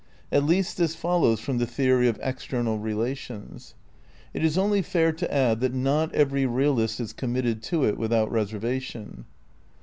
At least this follows from the theory of external relations. It is only fair to add that not every realist is committed to it without reservation.